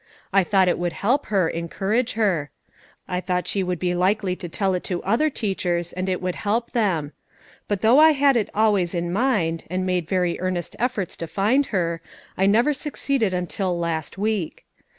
I thought it would help her, encourage her. I thought she would be likely to tell it to other teachers, and it would help them. But though I had it always in mind, and made very earnest efforts to find her, I never succeeded until last week.